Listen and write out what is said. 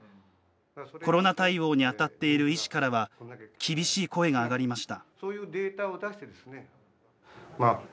コロナ対応に当たっている医師からは厳しい声が上がりました。